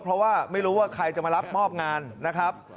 เพราะว่าไม่รู้ว่าใครจะมารับมอบงานนะครับ